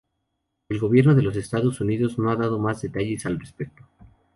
El Gobierno de los Estados Unidos no ha dado más detalles al respecto.